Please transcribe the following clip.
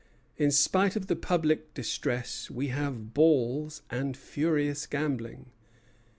In spite of the public distress, we have balls and furious gambling."